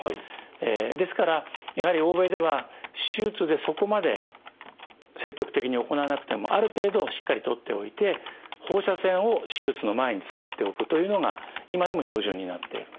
ですからやはり欧米では手術でそこまで積極的に行わなくてもある程度しっかり取っておいて放射線を手術の前に使っておくというのが今でも標準になっているんですね。